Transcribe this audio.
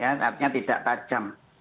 ya artinya tidak tajam